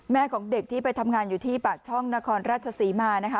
ของเด็กที่ไปทำงานอยู่ที่ปากช่องนครราชศรีมานะคะ